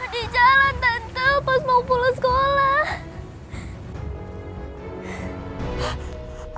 di jalan tante pas mau pulang sekolah